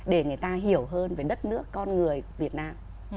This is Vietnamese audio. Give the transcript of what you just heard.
để người ta hiểu hơn về đất nước con người việt nam